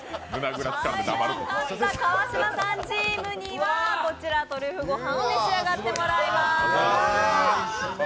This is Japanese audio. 川島さんチームにはトリュフご飯を召し上がっていただきます。